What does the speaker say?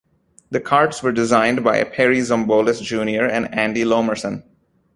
The karts were designed by Perry Zombolis Junior and Andy Lomerson.